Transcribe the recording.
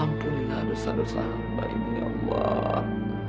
ampuni hadus hadus hamba ini ya allah